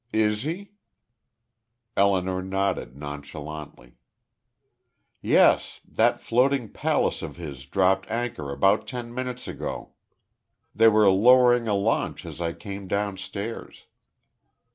"Is he?" Elinor nodded, nonchalantly. "Yes, that floating palace of his dropped anchor about ten minutes ago. They were lowering a launch as I came downstairs."